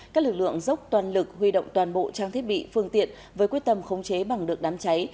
các lực lượng dốc toàn lực huy động toàn bộ trang thiết bị phương tiện với quyết tâm khống chế bằng được đám cháy